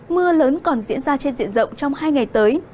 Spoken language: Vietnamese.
mưa lớn còn diễn ra trên diện rộng trong hai ngày tới